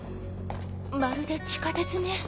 まるで地下鉄ね。